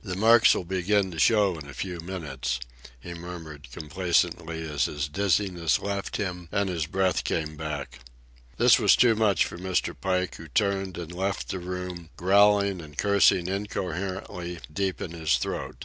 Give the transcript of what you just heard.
"The marks'll begin to show in a few minutes," he murmured complacently as his dizziness left him and his breath came back. This was too much for Mr. Pike, who turned and left the room, growling and cursing incoherently, deep in his throat.